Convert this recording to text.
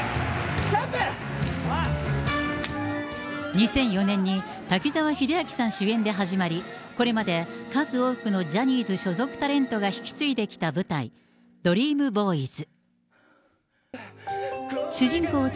２００４年に滝沢秀明さん主演で始まり、これまで数多くのジャニーズ所属タレントが引き継いできた舞台、ＤＲＥＡＭＢＯＹＳ。